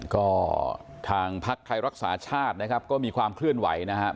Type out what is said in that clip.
ก็ทางพักไทยรักษาชาตินะครับก็มีความเคลื่อนไหวนะครับ